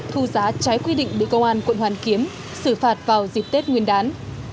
thu giá trái quy định bị công an quận hoàn kiếm xử phạt vào dịp tết nguyên đán